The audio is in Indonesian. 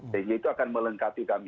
sehingga itu akan melengkapi kami